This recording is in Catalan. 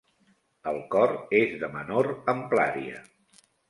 El cor és de menor amplària.